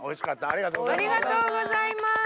ありがとうございます。